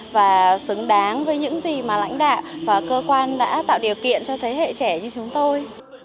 và xứng đáng với những gì mà lãnh đạo và cơ quan đã tạo điều kiện cho thế hệ trẻ như chúng tôi